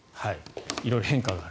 色々変化がある。